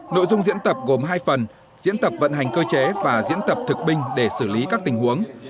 nội dung diễn tập gồm hai phần diễn tập vận hành cơ chế và diễn tập thực binh để xử lý các tình huống